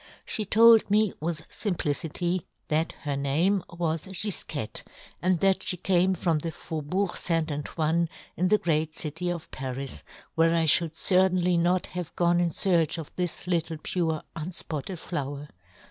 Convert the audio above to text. She " told me with fimplicity that her " name was Gifquette, and that fhe " came from the Faubourg St. An " toine, in the great city of Paris, " where I (hould certainly not have " gone in fearch of this little pure " unfpotted flower.